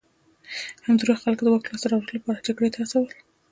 همدومره یې خلک د واک لاسته راوړلو لپاره جګړې ته هڅول